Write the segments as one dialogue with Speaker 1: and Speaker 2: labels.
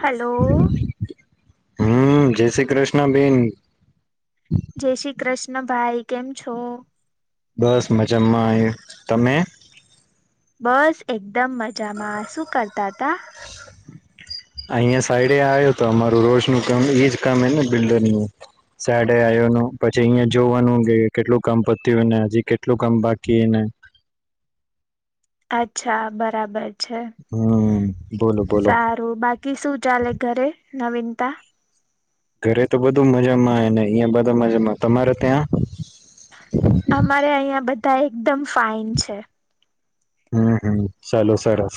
Speaker 1: Hello
Speaker 2: હમ જય શ્રી કૃષ્ણબેન
Speaker 1: જય શ્રી કૃષ ન ભાઈ કેમ છો.
Speaker 2: બસ મજામાં એ તમે
Speaker 1: બસ એક દમ મજામાં શું કરતા તા
Speaker 2: અહિયાં સાઈડે આવ્યો તો અમારું રોજનું કામ એજ કામને બિલ્ડરનુ સાડે આવ્યોનું પછી અહિયાયા જોવાનું કે કેટલું કામ પત્યુંને હજી કેટલું કામ બાકીને
Speaker 1: અચ્છા બરાબર છે
Speaker 2: હમ બોલો બોલો
Speaker 1: સારું બાકી શું ચાલે ઘરે નવીનતા
Speaker 2: ઘરે તો બધું મજામાંય ને અહં બધા મજામાં તમારે ત્યાં
Speaker 1: અમારે અહિયાં બધ ધા એકદમ ફાઇન છે.
Speaker 2: હમ હમ ચાલો સરસ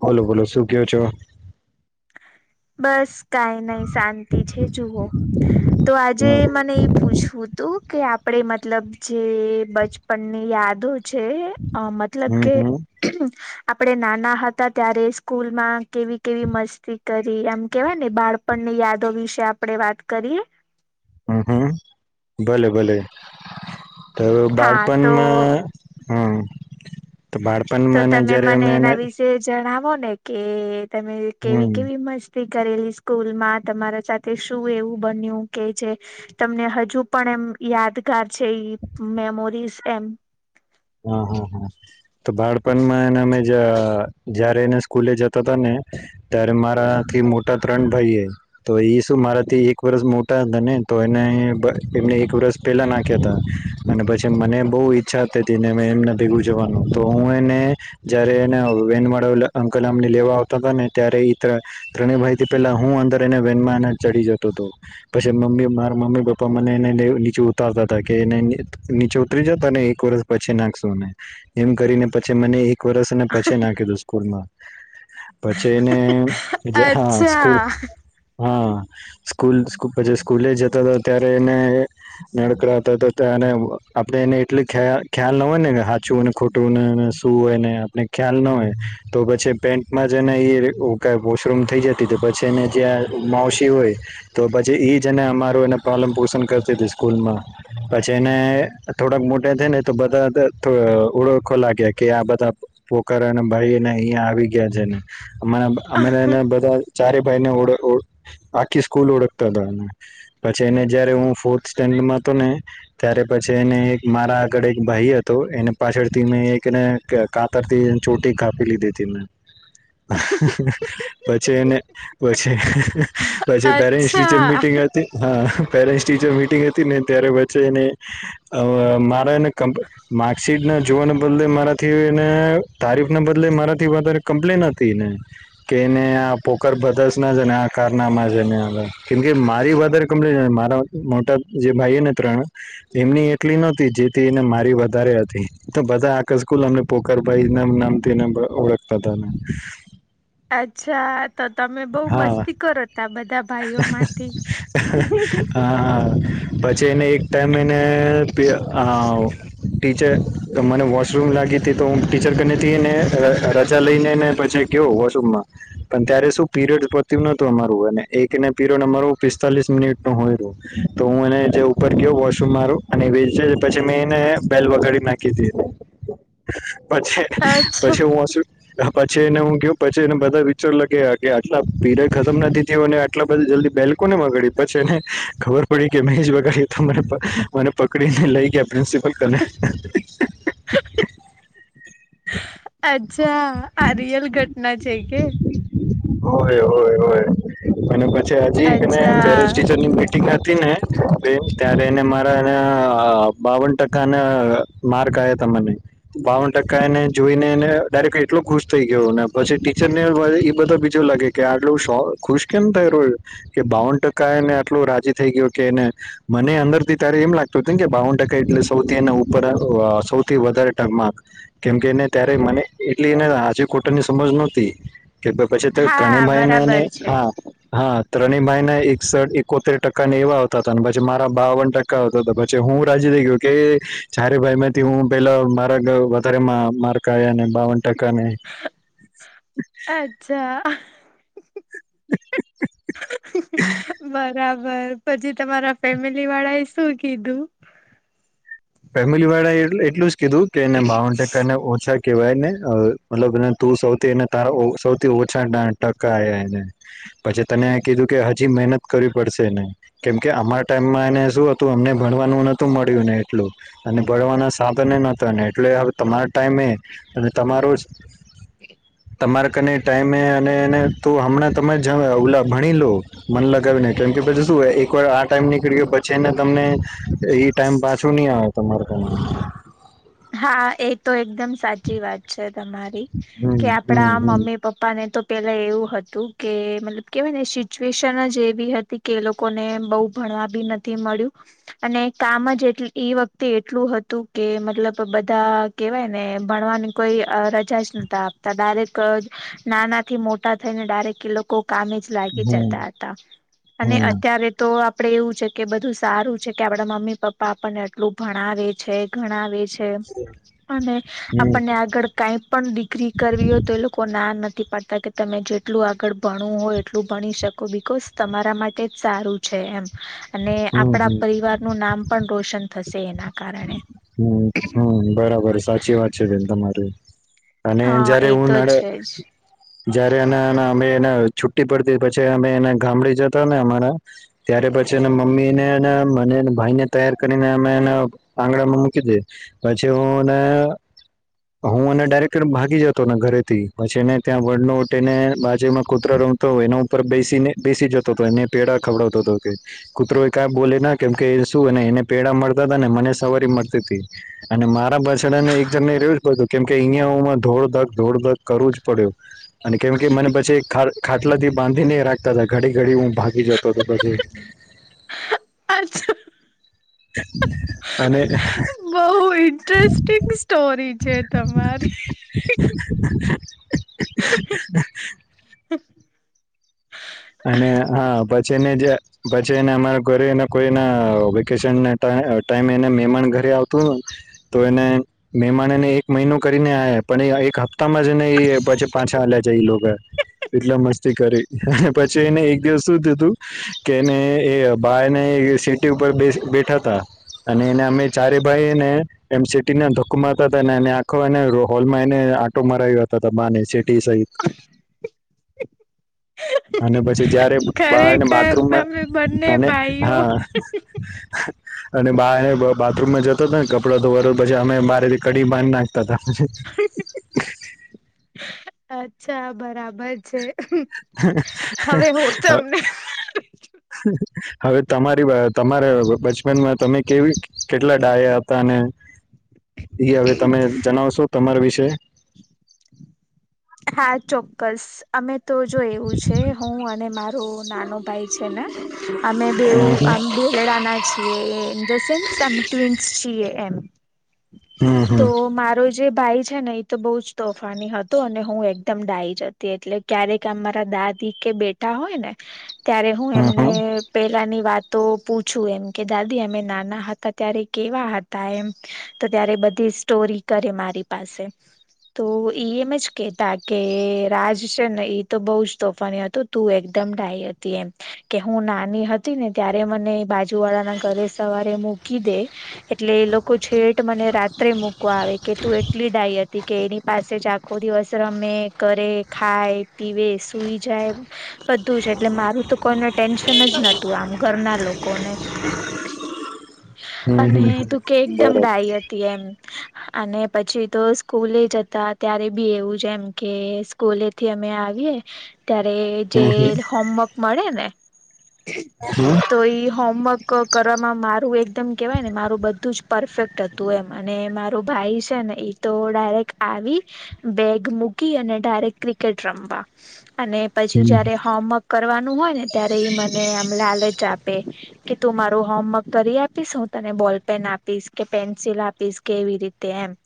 Speaker 2: બોલો બોલો શું કેયો છો.
Speaker 1: બસ કઈ નઈ શાંતિ છે જુઓ તો આજે
Speaker 2: હમ
Speaker 1: મને એ પૂછવું તું કે આપડે મતલબ જે બચપનની યાદો છે અ મતલબ
Speaker 2: હમ
Speaker 1: કે
Speaker 2: હમ
Speaker 1: આપણે નાના હતા ત્યારે સ્કૂલમાં કેવી કેવી મસ્તી કરી એમ કેવાયને બાળપણની યાદો વિશે આપડે વાત કરીએ.
Speaker 2: હમ હમ ભલે ભલે તો
Speaker 1: હા તો
Speaker 2: બાળપનમાં હમ તો
Speaker 1: તો
Speaker 2: બાળપણમાં
Speaker 1: તમે
Speaker 2: જયારે
Speaker 1: મને
Speaker 2: અમે એને
Speaker 1: એના વિશે જણાવો ને કે તમે કેવી
Speaker 2: હમ્મ.
Speaker 1: કેવી મસ્તી તી કરેલી સ્કૂલમાં તમારા સાથે શું એવું બન્યું કે જે તમને હજુ પણ એમ યાદગાર છે મેમોરીઝ એમ
Speaker 2: હા હા હા તો બાળપણમાં એને અમે જયારે એને સ્કૂલે જતા હતાા ને ત્યારે મારાથી મોટા ત્રણ ભાઈ એ તો એ શું મારાથી એક વર્ષ મોટા હતા ને તો એને એમને એક વરસ પેલા નાખ્યા હતા અને પછી મને બહુ ઈચ્છા હતી ને એમને ભેગું જવાનું તો હું એને જયારે એ વેન વાળા અંકલમને લેવા આવતા હતા ને ત્યારે ત્રણે ભાઈથી પેલા હું અંદર એ વેનમાં ચડી જતો હતો પછી મમ્મી મારા મમ્મી પપ્પા મનેને નીચે ઉતારતા હતા કે એને નીચે ઉતરી જતા ને એક વર્ષ પછી નાખશોને એમ કરીને પછી મને એક વરષને પછી નાખી દું સ્કૂલ માં. પછી એને હા સ્કૂલ
Speaker 1: અચ્છા
Speaker 2: હા સ્કૂલે જતા ત્યારે એને નડકડાતા આપે એને એટલ ખ્યા ખ્યાલ ન હોય ને હાચું ને ખોટું નેને શું હોય ને આપને ખ્યાલ ન હોય તો પછી પેન્ટમાં જને એ ક પોશરૂમ થઈ જતી તો પછી એને જ્યાં માવસી હોય તો પછી ઈ જને અમારું એને પ્રલન પોષણ કરતી હતી સ્કૂલમાં પછી એને થોડાક મોટેા થાય ને તો બધા ઓળખો લાગ્યા કે આ બધા પોકારર અને ભાઈને અહિયાયા આવી ગયા છે ને. અ અમે એને બધા ચારે ભાઈને ઓ આખી સ્કૂલ ઓળખતા હતા પછી એને જયારે હું ફોર્થ સ્ટેન્ડડમાં હતો ને ત્યારે પછી એને મારા આગળ એક ભાઈ હતો એને પાછળથી મેં એકને કાતરથી ચોટી કાપી લીધી હતી મેં. પછી એને પછી. પછી પેરેન્ટ્સ ટીચર
Speaker 1: અચ્છા
Speaker 2: મીટિંગ હતી હા પેરેન્ટ ટીચર મિટિંગ હતી ને ત્યારે વચ્ચે એને મા એ. માર્કશીટ નો જોવાના બદલે મારાથી એને તારીફ ના બદલે મારાથી વધારે કમ્પ્લેન હતી ને કે એને આ પોકારર બધાશ ના છે ને આ કારનામાં છે ને કેમકે મારી વધારે કમ્પ્લેન મારા મોટા જે ભાઈને ત્રણ એમની એટલી નહોતી જીત [inaudible] ને મારી વધારે હતી તો બધા આ સકુલ અમને પોખરભાઈ ના નામથીને ઓળખતા હતા.
Speaker 1: અચ્છા. તો તમે બહુ
Speaker 2: હા હા
Speaker 1: મસ્તી કરો તા બધા ભાઈઓ માંથી
Speaker 2: હા પછી એને એક ટાઈમ એને ટીચર તો મને વો રૂમ લાગી હતીથી તો હ ટીચર ને રજા લઈને પછી ક વસુમમાં પણ ત્યારે શું [inaudible] પીરિયડ પત્યું નહત અરું અને એકને પીરિયડ અમારું પિસ્તાલીસ મિનિટ હોય રહ્યો તો હું એને ઉપર ગયો વોશરૂમ મારો અને પછી મેં એને બેલ વગાડી નાખી દી હતી. પછ
Speaker 1: અચ્છા
Speaker 2: પછી હું છું પછી એને હું કયો પછી એને બધા વિચાર લગે કે અલા. પીરિયડ ખતમ નથી થ અને એટલા બધા જલ્દી બેલ કોને વગાડી પછી એને ખબર પડી કે મે જ વગાડી તો મને મને પકડીને લઈ ગયા. પ્રિન્સિપલ કને
Speaker 1: અચ્છા આ રિયલ ઘટના છે કે.
Speaker 2: હોય હોય હોય. અને પછી હજી પેરે
Speaker 1: અચ્છા
Speaker 2: ટીચરની મિટિંગ હતી ને. ત્યારે એને મારાના બાવન ટકા ના માર્ક આવયા તને બાવન ટકા એને જોઈને એટલો ખુશ થઈ ગયું ને પછી ટીચર ને એ બધા બ. જો લાગે કે આટલું શો ખુશ કેમ થઈ રહ્યું કે બાવન ટકા એને આટલું રાજી થઈ ગયું કે એને મને અંદર થી ત્યારે એમ લાગતું હતુંને કે બાવન ટકા એટલે સૌથી એ ઉપર આહ સૌથી વધારે તરમાર્ક કેમકે એને ત્યારે મને એટલી એને આજે કોટરની સમજ નહતી તો
Speaker 1: હા
Speaker 2: ત્રણેમાઈને ને
Speaker 1: બરાબર છે
Speaker 2: હા હા ત્રણે ભાઈને એકસઠ એકોતેર ટકા ને એવા આવતા હતા પછી મારા બાવન ટકા આવતા હતા પછી હું રાજી થઈ ગયો કે જારે ભાઈથી હું પેલા મારા ગ વધારે માર્ક આવ્યા ને બાવન ટ
Speaker 1: અચ્છા. બર રાબર પછી તમારા ફેમિલી વાળા એ શું કીધું?
Speaker 2: ફેમિલી વાળા એટ-એટલું જ કીધું કે એને ટકા ને ઓછા કેવાય ને અહ મતલબ તું સૌથી એને તારા ઓ સૌથી ઓછા ટકાયા એને પછી તને કીધું કે હજી મહેનત કરવી પડશે ને કેમકે અમારા ટાઈમમાં એને શું હતું અમને ભણવાનું નતું મળ્યું ને એટલું અને ભરવાના સાધને ન ને એટલે હ તમારા ટાઈમે અને તમારુ જ તમારા કને ટાઈમે અને એને તો હમણાં તમે જ ઓલા ભણી લો મન લગાવીને કેમ કે પછી શું એકવાર આ ટાઈમ નીકળી ગયો પછી એને તમને એ ટાઈમ બાદ શૂ નહીં આવે તમારે ખના
Speaker 1: હા એ તો એકદમ સાચી વાત છે. તમારી
Speaker 2: હમ હમ હમ
Speaker 1: કે
Speaker 2: હમ હમ
Speaker 1: આપડા મમ્મી પપ્પા ને તો પેલા એવું હતું કે મતલબ કેહેવાય ને સિચ્યુએશન જ એવી હતી કે એ લોકોને બહુ ભણવા બી નથી મળ્યું અને કામ જ એટલી વખતે એટલું હતું કે મતલબ તો બધા કેવાય ને ભણવાની કોઈ અહ રજા જ નતા આપતા ડારેક કજ નાના થી મોટા થઈને ડારેક એ લોકો કામે જ લાગી જતા હતા અને અત્યારે તો આપ પડે એવું છે કે બધું સારું છે કે આપડા મમ્મી પપ્પા આપણને એટલું ભણાવે છે, ગણાવે છ છે અને આપણને
Speaker 2: હમ
Speaker 1: આગળ કઈ પણ ડિગ્રી કરવી હો તો એ લોકો ના નથી પાડતા કે તમે જેટલું આગળ ભણું હો એટલું ભણી શકો બિકોઝ તમારા માટે જ સારું છે એમ. અને આપણા
Speaker 2: હમ
Speaker 1: પરિવાર નું નામ પણ રોશન થશે એના કારણે.
Speaker 2: હમ્મ, હમ્મ બરાબર સાચી વાત છે બેન તમારી. અને
Speaker 1: હા
Speaker 2: જયારે
Speaker 1: એ
Speaker 2: હું
Speaker 1: તો
Speaker 2: નડે
Speaker 1: છે જ.
Speaker 2: જયારે એને અમે એ છુટી પડતી પછી અમે એને ગામડી જતા ને અમારા ત્યારે પછી એ મમ્મીને મને ભાઈ ને તૈય કરીને અમે એને આંગણા મૂકી દે. પછી હું ને હું ને ડરેક્ટ ભાગી જતોને ઘરે થી પછી એને ત્યાં વનોટ એને બાજમાં કૂતરા રમતો એના ઉપર બેસીને બેસી જતો હતો એને પેડાા ખવડાવતો હતો કે કૂતરો એ કા બોલે કેમ કે શુંને એને પેડા મળતા હતા ને મને સવવરી મળતી અને માર બચડે ને એક જણ ને [inaudible] કેમકે અહીયાયા હુંમાં ધોડ ઘાક ધોડ ઘાક કરવું જ પડે અને કેમ કે મને પછી ખર ખાટલાથી બાંધીને રાખતા હતા ઘડી ઘડી ઊ ભાગ ભી જતો તો પછી
Speaker 1: અચછ
Speaker 2: [inaudible]
Speaker 1: બહુ ઇન્ટરેસ્ટિંગ સ્ટોરી છે તમારી.
Speaker 2: અને હા પછી. પછી એને જે પછી એને અમારા ઘરે એ કોઈ એના વેકેશન ના ટા ટાઈમે એને મહેમાન ઘરે આવતુંને તો એને મહેમાન એને એક મહિનો કરીને આ પણ એ એક હપ્તામાં જ એને એ પછી પાછા હલ્યા જાય એ લોકો એટલા મસ્તી કરી પછી એને એક દિવસ શું થતું કે એને એ ભાઈને સીટી ઉપર બે બેઠા તા. અને એને અમે ચારે ભાઈને એમ સિટીને ધકમાતા હતા ને એ આખો એ હોલમાં એને આંટો મરા આવ્યા હતા બાને સહિત. અને પછી જયારે બહને
Speaker 1: ખરેખર
Speaker 2: બાથરૂમમાં
Speaker 1: તમે બંને
Speaker 2: અને
Speaker 1: ભાઈઓ
Speaker 2: હા અને બા બાથરૂમમાં જતો હતો ને કપડા ધોવા પછી અમે બારે નીકળતા મા નાખતા હતા.
Speaker 1: અચ્છા બરાબર છે. હવે હું તમને
Speaker 2: [inaudible] હવે તમારી તમારા બચપનમાં તમે કેવી કેટલા ડાયા હતા અને હવે તમે જણાવશો તમારા વિશે. કે.
Speaker 1: હા ચોક્કસ. અમે તો જો એવું છે હું અને મારો નાનો ભાઈ છે ને અમે બેું
Speaker 2: હમ હમ.
Speaker 1: આમ બેલડા ના છીએ ઇન ધ સેન્સ આ ટ્વિન્સ છીએ એમ.
Speaker 2: હમ
Speaker 1: તો
Speaker 2: હમ
Speaker 1: મારો જે ભાઈ છે ને એ તો બહુ જ તોફાની હતો અને. હું એકદમ ડાય જ઼ જતી એટલે ક્યારેક અમારા દાદી કે બેટા હોય ને. ત્યારે હું એમને પેલા ની વાત. તો પૂછું એમ કે દાદી અમે નાના હતા ત્યારે કેવા હતા એમ તો ત્યારે બધી સ્ટોરી કરે મારી પાસે તો ઈ એમ જ કે તા કે રાજ છે ને એ તો બહુ જ તોફાની હતું તું એકદમ ડાઈ હતી એમ કે હું નાની હતી ને ત્યારે મને બાજુ વાળાના ઘરે સવારે મૂકી દે એટલે એ લોકો છેટ મને રાત્રે મૂકવા આવે કે તું એટલી ડાઈ હતી કે એની પાસે જ આખો દિવસ મે કરે ખાય પીવે સુઈ જાય બધું જ એટલે મારું તો કોઈને ટેન્શન જ નતું આમ ઘરના લોકોને
Speaker 2: હમ હમ
Speaker 1: અને
Speaker 2: હમ હમ
Speaker 1: તું કે એકદમ
Speaker 2: બરાબર હમ
Speaker 1: ડાય હતી એમ અને પછી તો સ્કૂલે જ હતા ત્યારે બી એવું. જેમ કે સ્કૂલેથી અમે આવીએ ત્યારે
Speaker 2: હમ
Speaker 1: જે હોમવર્ક મળે ને
Speaker 2: હમ્મ.
Speaker 1: તો ઈ હોમવર્ક કરવામાં મારું એકદમ કેહેવાય ને મારું બધું જ પરફેક્ટ હતું એમ અને મારો ભાઈ છે ને એ તો ડાયરેક્ટ આવી બેગ મૂકી અને ડાયરેક્ટ ક્રિકેટ રમવા અને પછી
Speaker 2: હમ
Speaker 1: જયારે હોમવર્ક કરવાનું હોય ને ત્યારે ઈ મને આમ લાલ જ આપે કે તું મારું હોમવર્ક કરી આપી હું તને બોલ પેન આપીશ કે પેન્સિલ આપીશ કે એવી રીતે એમ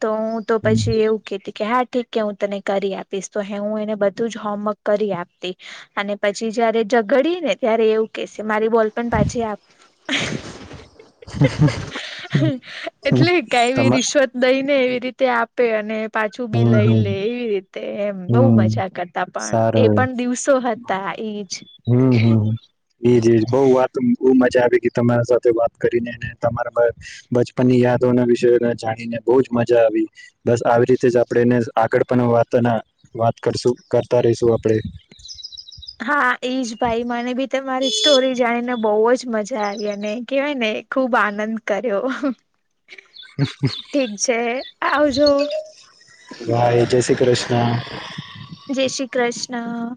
Speaker 1: તો હું તો
Speaker 2: હમ હમ
Speaker 1: પછી એવું કતી કે હા ઠી કે હું તને કરી આપીશ તો હ હું એને બધું જ હોમવર્ક કરી આપતી અને પછી જયારે ઝઘડી ને ત્યારે એવું કેશે મારી બોલ પણ પાછી આપ.
Speaker 2: હમ.
Speaker 1: એટલે કઈ બ
Speaker 2: તમા
Speaker 1: રિશ્વત દઈને એવી રીતે આપે અને
Speaker 2: હમ
Speaker 1: લઈલે
Speaker 2: હમ
Speaker 1: એવી રીતે. એમ બહુ
Speaker 2: હમ
Speaker 1: મજા કરતા પણ એ
Speaker 2: સારું
Speaker 1: પણ દિવસો હતા એજ.
Speaker 2: હમ્મ હમ્મ એજ એજ બઉ વાત બ મજા આવી કે તમારા સાથે વાત કરીનેને તમારા બચપનની યાદોના વિષ જાણીને બહ જ મજા આવી બસ આવી રીતે જ આપણેને આગળ પણ વાત વાત કરશું કરતા રહીશું આપણેે
Speaker 1: હા એજ ભાઈ મને બી મારી સ્ટોરી જાણીને બહુ જ મજા આવી અને કેહેવાય ને ખુબ આનંદ કર્યો. ઠીક છે આવજો.
Speaker 2: ઉ રશ
Speaker 1: જય શ્રી કૃષ્ણ.